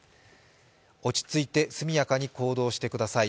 落ち着いて速やかに行動してください。